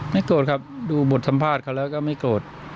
โกรธครับดูบทสัมภาษณ์เขาแล้วก็ไม่โกรธ